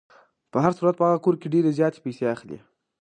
په هر صورت په هغه کور کې ډېرې زیاتې پیسې اخلي.